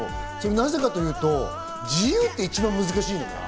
なぜかというと自由って一番難しい。